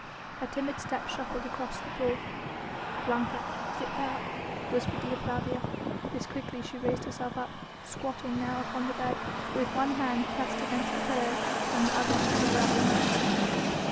A timid step shuffled across the floor. "Blanca, is it thou?" whispered Dea Flavia, as quickly she raised herself up, squatting now upon the bed, with one hand pressed against the pillow and the other to her breast.